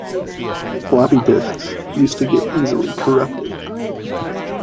Floppy disks used to get easily corrupted.